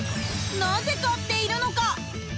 なぜ買っているのか？